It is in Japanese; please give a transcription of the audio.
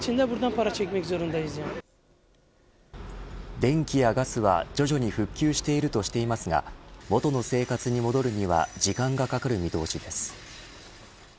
電気やガスは徐々に復旧しているとしていますが元の生活に戻るには時間がかかる見とおしです